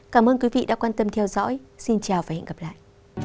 cảm ơn quý vị đã quan tâm theo dõi xin chào và hẹn gặp lại